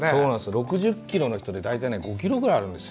６０ｋｇの人で大体５ｋｇぐらいあるんです。